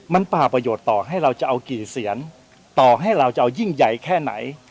มันป่าประโยชน์ต่อให้เราจะเอากี่เสียนต่อให้เราจะเอายิ่งใหญ่แค่ไหน